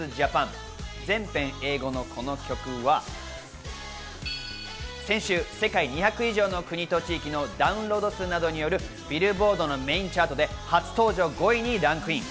全編英語のこの曲は、先週、世界２００以上の国と地域のダウンロード数などによる、ビルボードのメインチャートで初登場５位にランクイン。